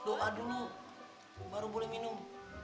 doa dulu baru boleh minum